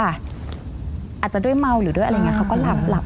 อาจจะด้วยเมาหรือด้วยอะไรอย่างนี้เขาก็หลับ